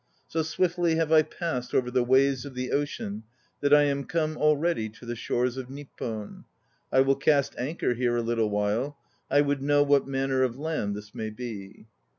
So swiftly have I passed over the ways of the ocean that I am come already to the shores of Nippon. I will cast anchor here a little while. I would know what manner of land this may be.